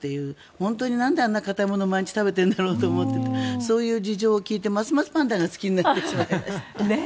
本当になんであんな硬いものを毎日食べているんだろうと思ってそういう事情を聴いてますますパンダが好きになってしまいました。